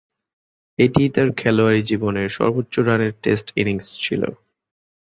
এটিই তার খেলোয়াড়ী জীবনের সর্বোচ্চ রানের টেস্ট ইনিংস ছিল।